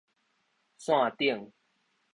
線頂